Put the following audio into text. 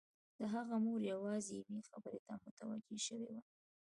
د هغه مور یوازې یوې خبرې ته متوجه شوې وه